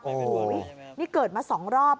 โอ้โหนี่เกิดมา๒รอบ